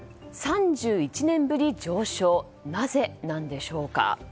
３１年ぶり上昇なぜなんでしょうか。